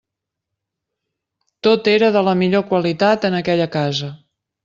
Tot era de la millor qualitat en aquella casa.